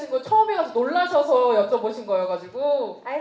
ผมชอบไทย